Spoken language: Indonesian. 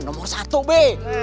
nomor satu be